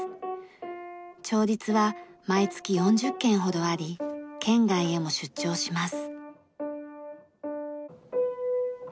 調律は毎月４０件ほどあり県外へも出張します。